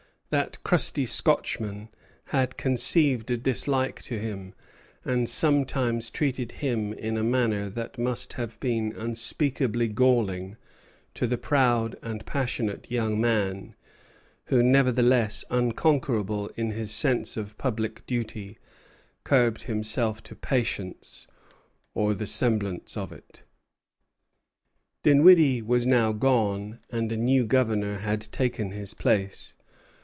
That crusty Scotchman had conceived a dislike to him, and sometimes treated him in a manner that must have been unspeakably galling to the proud and passionate young man, who nevertheless, unconquerable in his sense of public duty, curbed himself to patience, or the semblance of it. Dinwiddie was now gone, and a new governor had taken his place.